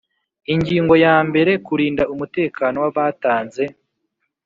Ingingo ya mbere Kurinda umutekano w abatanze